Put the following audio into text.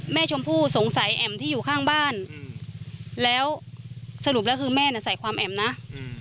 ชมพู่สงสัยแอ๋มที่อยู่ข้างบ้านอืมแล้วสรุปแล้วคือแม่น่ะใส่ความแอ๋มนะอืม